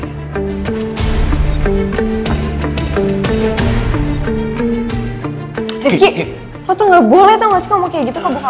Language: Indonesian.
rifki lo tuh gak boleh tau gak sih ngomong kayak gitu ke bukal